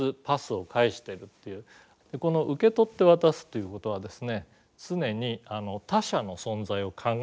この受け取って渡すっていうことはですね